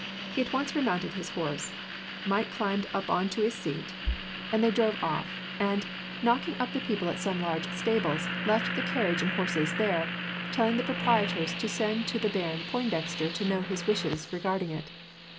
He at once remounted his horse, Mike climbed up on to his seat, and they drove off, and, knocking up the people at some large stables, left the carriage and horses there, telling the proprietors to send to the Baron Pointdexter to know his wishes regarding it.